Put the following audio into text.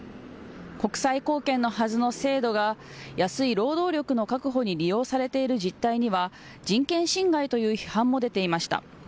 国際貢献のはずの制度が安い労働力の確保に利用されている実態には人権侵害という批判も出ていました。